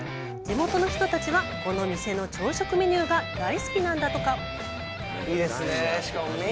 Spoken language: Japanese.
地元の人たちはこの店の朝食メニューが大好きなんだとか。